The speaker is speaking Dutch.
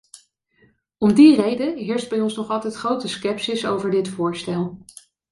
Om die reden heerst bij ons nog altijd grote scepsis over dit voorstel.